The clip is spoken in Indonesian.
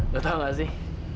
lo tau gak sih